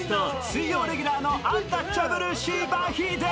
水曜レギュラーのアンタッチャブル、しばひで。